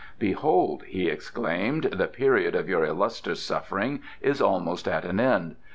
"Behold!" he exclaimed, "the period of your illustrious suffering is almost at an end.